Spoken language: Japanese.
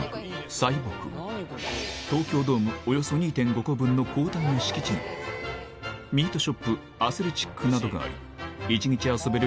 東京ドームおよそ２．５個分の広大な敷地にはミートショップアスレチックなどがあり一日遊べる